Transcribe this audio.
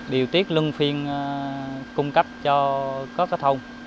điều tiết lưng phiên cung cấp cho các thông